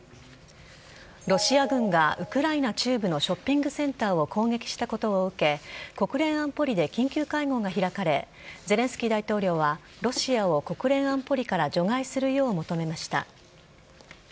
ロシア軍がウクライナ中部のショッピングセンターを攻撃したことを受け国連安保理で緊急会合が開かれゼレンスキー大統領はロシアを国連安保理から除外するよう求めました。